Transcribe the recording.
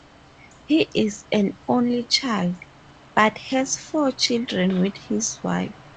He is an only child, but has four children with his wife.